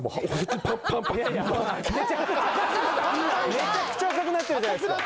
・めちゃくちゃ赤くなってるじゃないですか・